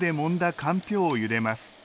かんぴょうをゆでます。